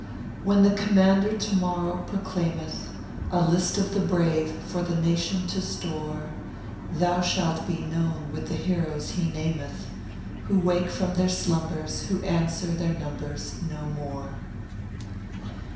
When the Commander to morrow proclaimeth A list of the brave for the nation to store, Thou shalt bo known with the heroes he nameth, Who wake from their slumbers, who answer their numbers No more.